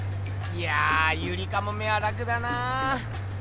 いやゆりかもめは楽だなぁ。